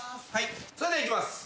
さあではいきます。